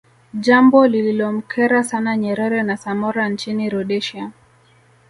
Jambo lililomkera sana Nyerere na Samora Nchini Rhodesia